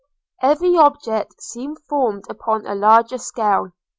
. Every object seemed formed upon a larger scale.